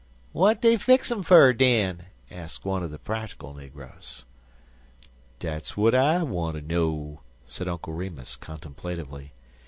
"W'at dey fix um fer, den?" asked one of the practical negroes. "Dat's w'at I wanter know," said Uncle Remus, contemplatively.